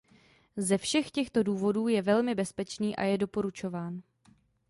Ze všech těchto důvodů je velmi bezpečný a je doporučován.